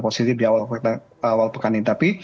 positif di awal pekan ini tapi